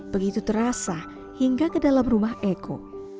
begitu terasa hingga ke dalam rumah eko